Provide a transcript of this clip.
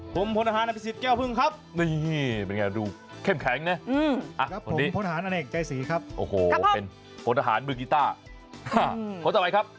ก่อนอื่นเดี๋ยวเนี่ยแนะนำตัวกันนิดนึงเชื่อใจค่ะ